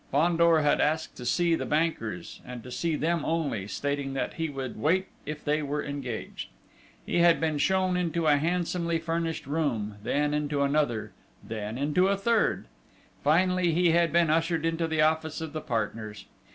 Fandor had asked to see the bankers, and to see them only, stating that he would wait if they were engaged. He had been shown into a handsomely furnished room, then into another, then into a third; finally, he had been ushered into the office of the partners.